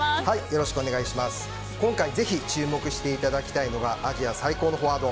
今回ぜひ注目していただきたいのがアジア最高のフォワード